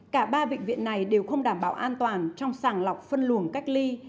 cả ba bệnh viện này đều không đảm bảo an toàn trong sàng lọc phân luồng cách ly